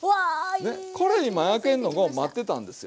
これ今焼けんのも待ってたんですよ。